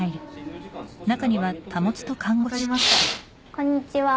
こんにちは